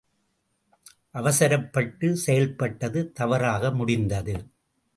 அவசரப்பட்டுச் செயல்பட்டது தவறாக முடிந்தது.